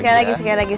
kan maksud angin